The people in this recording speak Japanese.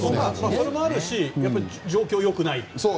それもあるし状況が良くないと。